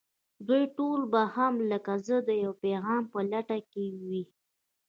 دوی ټول به هم لکه زه د يوه پيغام په لټه کې وي.